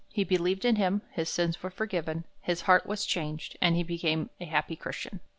He believed in him, his sins were forgiven, his heart was changed, and he became a happy Christian.